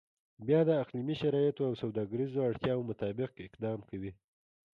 بیا د اقلیمي شرایطو او سوداګریزو اړتیاو مطابق اقدام کوي.